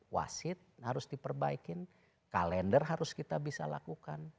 wasit harus diperbaikin kalender harus kita bisa lakukan